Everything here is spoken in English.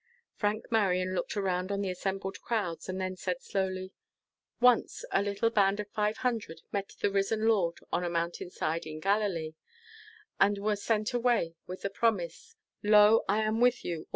Frank Marion looked around on the assembled crowds, and then said slowly: "Once a little band of five hundred met the risen Lord on a mountain side in Galilee, and were sent away with the promise, 'Lo, I am with you alway!'